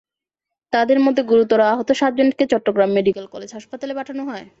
তাঁদের মধ্যে গুরুতর আহত সাতজনকে চট্টগ্রাম মেডিকেল কলেজ হাসপাতালে পাঠানো হয়।